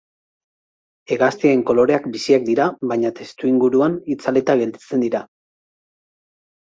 Hegaztien koloreak biziak dira baina testuinguruan itzalita gelditzen dira.